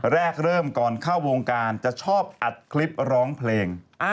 เริ่มก่อนเข้าวงการจะชอบอัดคลิปร้องเพลง